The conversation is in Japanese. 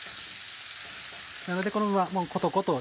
なのでこのままコトコト